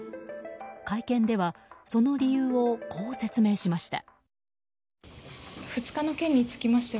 会見では、その理由をこう説明しました。